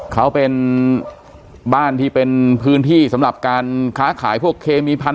เขาเป็นบ้านที่เป็นพื้นที่สำหรับการค้าขายพวกเคมีพันธ